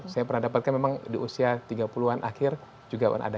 saya pernah dapatkan memang di usia tiga puluh an akhir juga ada